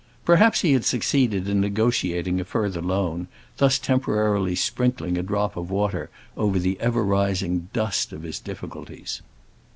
Perhaps he had succeeded in negotiating a further loan, thus temporarily sprinkling a drop of water over the ever rising dust of his difficulties.